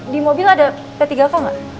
di mobil ada p tiga k nggak